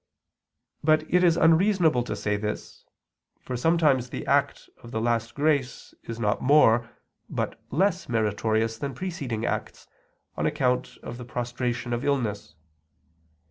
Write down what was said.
But it is unreasonable to say this, for sometimes the act of the last grace is not more, but less meritorious than preceding acts, on account of the prostration of illness.